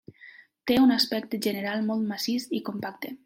Té un aspecte general molt massís i compacte.